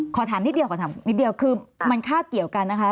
ขอถามนิดเดียวคือมันค่าเกี่ยวกันนะคะ